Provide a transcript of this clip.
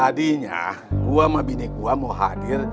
tadinya gue sama bini gue mau hadir